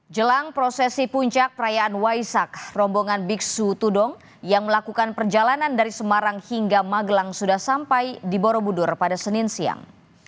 jelang prosesi puncak perayaan waisak rombongan biksu tudong yang melakukan perjalanan dari semarang hingga magelang sudah sampai di borobudur pada senin siang